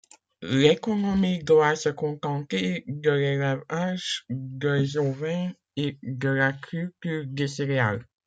L'économie doit se contenter de l'élevage des ovins et de la culture des céréales.